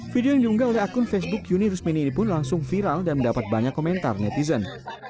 video yang diunggah oleh akun facebook yuni rusmini ini pun langsung viral dan mendapat banyak komentar netizen